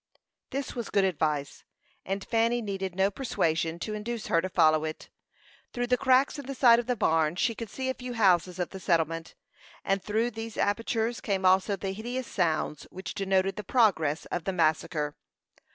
This was good advice, and Fanny needed no persuasion to induce her to follow it. Through the cracks in the side of the barn she could see a few houses of the settlement; and through these apertures came also the hideous sounds which denoted the progress of the massacre.